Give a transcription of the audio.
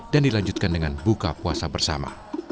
dan dilanjutkan dengan buka puasa bersama